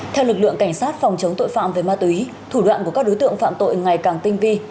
theo lực lượng cảnh sát phòng chống tội phạm về ma túy thủ đoạn của các đối tượng phạm tội ngày càng tinh vi